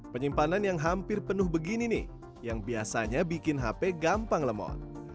penyimpanan yang hampir penuh begini nih yang biasanya bikin hp gampang lemot